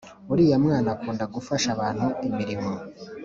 Uriya mwana akunda gufasha abantu imirimo